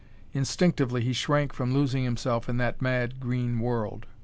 Instinctively he shrank from losing himself in that mad green world.